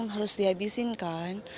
harus dihabisin kan